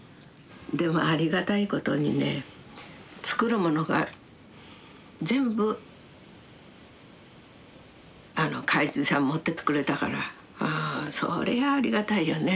でもありがたいことにね作る物が全部買い継ぎさん持ってってくれたからそりゃあありがたいよね。